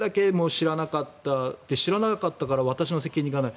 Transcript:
知らなかった知らなかったから私の責任がない。